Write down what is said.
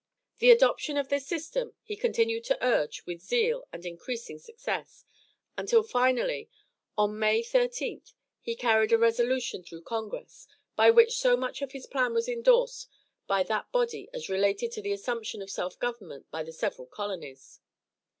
The adoption of this system he continued to urge with zeal and increasing success, until finally, on May 13th, he carried a resolution through Congress by which so much of his plan was endorsed by that body as related to the assumption of self government by the several colonies.